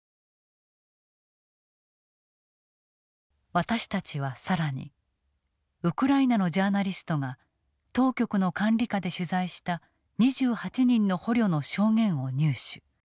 私たちは更にウクライナのジャーナリストが当局の管理下で取材した２８人の捕虜の証言を入手。